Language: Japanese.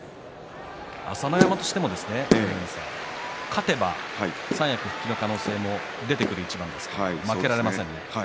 朝乃山としても勝てば三役復帰の可能性も出てくる一番ですから負けられませんね。